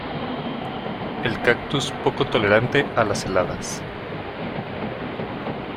El cactus poco tolerante a las heladas.